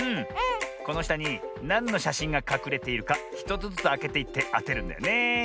このしたになんのしゃしんがかくれているか１つずつあけていってあてるんだよねえ。